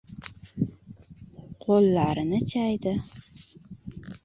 Qo‘llarini chaydi.